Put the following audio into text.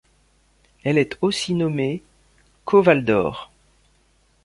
Elle est aussi nommée Cauvaldor.